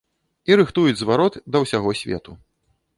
І рыхтуюць зварот да ўсяго свету.